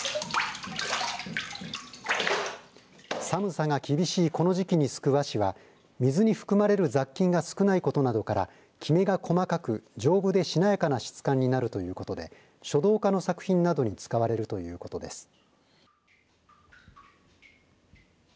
寒さが厳しいこの時期にすく和紙は水に含まれる雑菌が少ないことなどからきめが細かく、丈夫でしなやかな質感になるということで書道家の作品などに使われるということです。